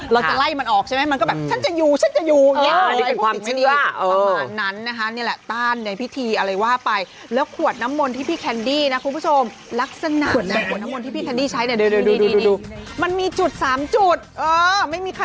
เราจะไล่มันออกใช่ไหม